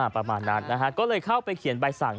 ประมาณนั้นนะฮะก็เลยเข้าไปเขียนใบสั่ง